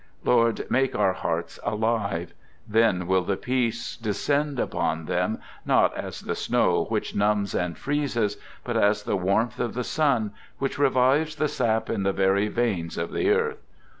Lord, make our hearts alive. Then will the peace descend upon them, not as the snow which numbs and freezes, but as the warmth of the sun which revives the sap in the very veins | of the earth.